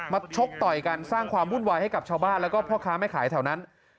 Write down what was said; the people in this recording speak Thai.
ชกต่อยกันสร้างความวุ่นวายให้กับชาวบ้านแล้วก็พ่อค้าแม่ขายแถวนั้น